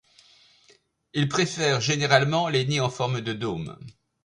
Il préfère généralement les nids en forme de dôme.